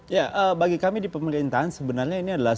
ya bagi kami di pemerintahan sebenarnya ini adalah